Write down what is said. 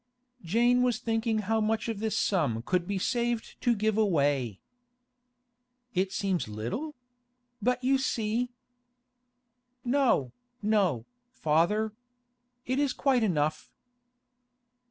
Jane was thinking how much of this sum could be saved to give away. 'It seems little? But you see—' 'No, no, father. It is quite enough.